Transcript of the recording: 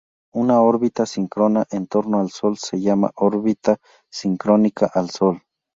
Una órbita síncrona en torno al Sol se llama órbita sincrónica al sol.